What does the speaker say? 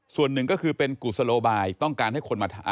ส่วนหนึ่งก็คือเป็นกุศโลบายต้องการให้คนมา